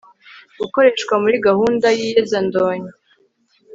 gukoreshwa muri gahunda y iyezandonke